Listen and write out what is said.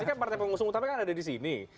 ini kan partai pengusung utama kan ada di sini